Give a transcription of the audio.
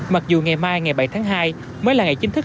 mặc dù ngày mai ngày bảy tháng hai mới là ngày chính thức